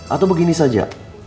atau begini saja